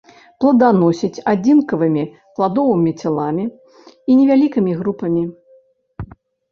Пладаносіць адзінкавымі пладовымі целамі і невялікімі групамі.